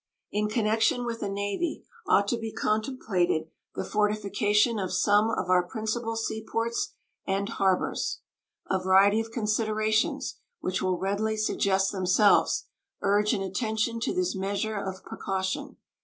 In connection with a navy ought to be contemplated the fortification of some of our principal sea ports and harbors. A variety of considerations, which will readily suggest themselves, urge an attention to this measure of precaution.